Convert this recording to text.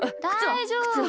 だいじょうぶ。